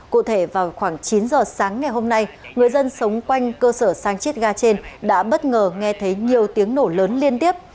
cụ thể vào khoảng chín giờ sáng ngày hôm nay người dân sống quanh cơ sở sang chiết ga trên đã bất ngờ nghe thấy nhiều tiếng nổ lớn liên tiếp